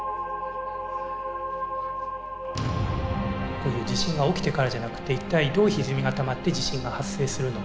こういう地震が起きてからじゃなくて一体どうひずみがたまって地震が発生するのか。